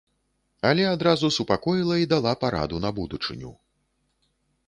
Але адразу супакоіла і дала параду на будучыню.